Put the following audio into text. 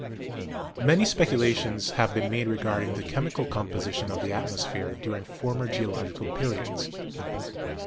Many speculations have been made regarding the chem ical composition of the atmosphere during former geo logical periods.